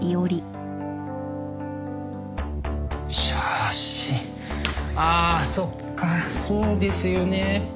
写真あそっかそうですよね。